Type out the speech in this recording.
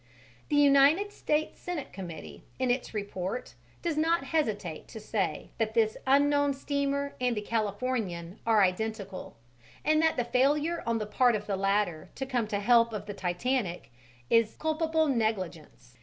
The United State Senate Committee in its report does not hesitate to say that this unknown steamer and the Californian are identical, and that the failure on the part of the latter to come to the help of the Titanic is culpable negligence.